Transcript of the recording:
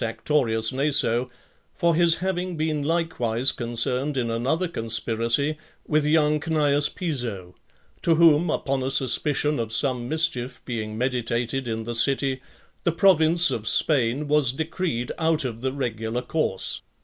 Actorius Naso, for his having been likewise concerned in another conspiracy with young Cneius Piso; to whom, upon a suspicion of some mischief being meditated in the city, the province of Spain was decreed out of the regular course .